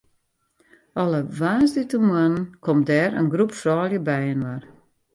Alle woansdeitemoarnen komt dêr in groep froulju byinoar.